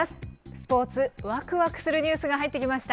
スポーツ、わくわくするニュースが入ってきました。